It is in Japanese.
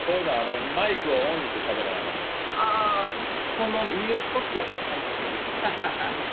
この「ミュート」ってやつ解除する。